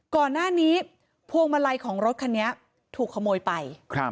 ก่อนหน้านี้พวงมาลัยของรถคันนี้ถูกขโมยไป